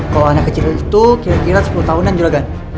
kalau anak kecil itu kira kira sepuluh tahunan juragan